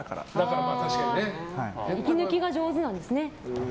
息抜きが上手なんですね。